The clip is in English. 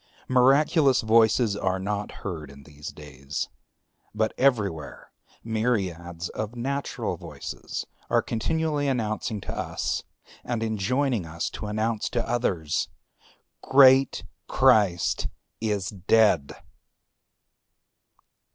Miraculous voices are not heard in these days; but everywhere myriads of natural voices are continually announcing to us, and enjoining us to announce to others, Great Christ is dead!